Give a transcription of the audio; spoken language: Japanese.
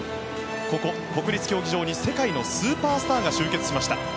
ここ、国立競技場に世界のスーパースターが集結しました。